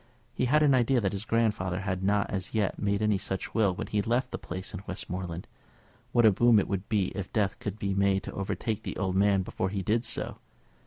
He had an idea that his grandfather had not as yet made any such will when he left the place in Westmoreland. What a boon it would be if death could be made to overtake the old man before he did so!